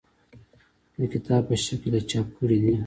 د کتاب په شکل یې چاپ کړي دي.